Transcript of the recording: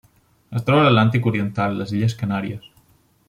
Es troba a l'Atlàntic oriental: les Illes Canàries.